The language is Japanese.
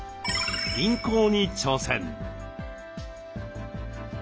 輪行に挑戦。